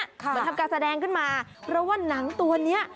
ทำการแสดงขึ้นมาเพราะว่าหนังตัวนี้